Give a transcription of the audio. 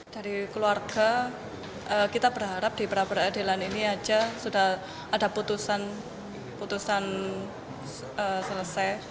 dari keluarga kita berharap di pra peradilan ini saja sudah ada putusan selesai